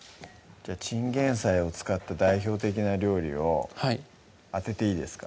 チンゲン菜を使った代表的な料理を当てていいですか？